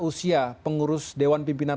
usia pengurus dewan pimpinan